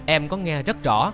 em có nghe rất rõ